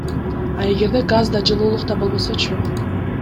А эгерде газ да, жылуулук да болбосочу?